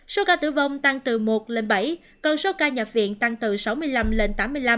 số ca tử vong tăng từ một lên bảy con số ca nhập viện tăng từ sáu mươi năm lên tám mươi năm